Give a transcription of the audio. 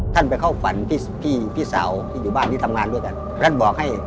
ไปเข้าฝันพี่พี่สาวที่อยู่บ้านที่ทำงานด้วยกันท่านบอกให้